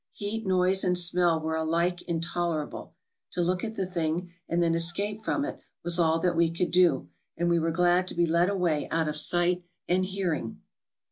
Heat, noise, and smell were alike intolerable. To look at the thing, and then escape from it, was all that we could do, and we were glad to be led away out of sight and hearing.